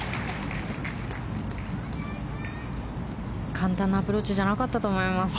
簡単なアプローチじゃなかったと思います。